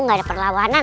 gak ada perlawanan